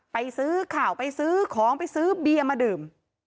ไปซื้อข่าวไปซื้อของไปซื้อเบียร์มาดื่ม